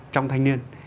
trong thanh niên